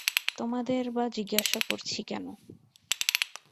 তোমাদের বা জিজ্ঞাসা করছি কেনো?